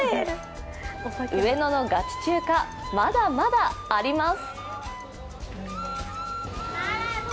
上野のガチ中華、まだまだあります